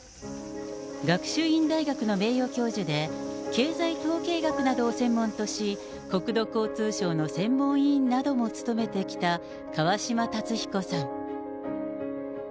学習院大学の名誉教授で、経済統計学などを専門とし、国土交通省の専門委員なども務めてきた川嶋辰彦さん。